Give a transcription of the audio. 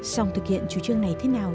xong thực hiện chủ trương này thế nào